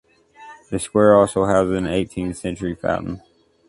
The square also houses an eighteen century fountain.